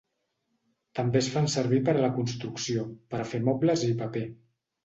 També es fan servir per a la construcció, per a fer mobles i paper.